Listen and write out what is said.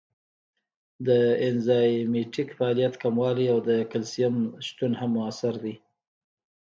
د انزایمټیک فعالیت کموالی او د کلسیم شتون هم مؤثر دی.